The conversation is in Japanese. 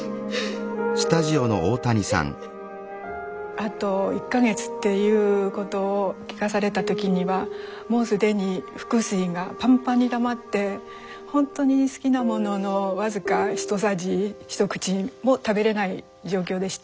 あと１か月っていうことを聞かされた時にはもう既に腹水がぱんぱんにたまってほんとに好きなものの僅か一さじ一口も食べれない状況でした。